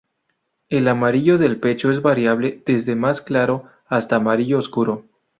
El amarillo del pecho es variable desde más claro hasta amarillo oscuro.